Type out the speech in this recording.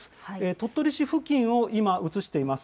鳥取市付近を今、映しています。